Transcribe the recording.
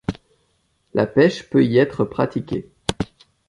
La pêche peut y être pratiquée.